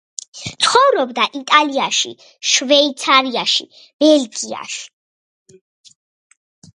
ცხოვრობდა იტალიაში, შვეიცარიაში, ბელგიაში.